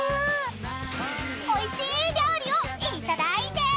［おいしい料理をいただいて］